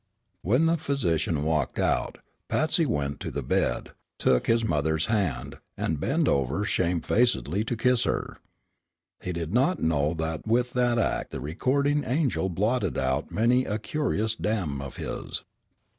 When the physician walked out, Patsy went to the bed, took his mother's hand, and bent over shamefacedly to kiss her. He did not know that with that act the Recording Angel blotted out many a curious damn of his.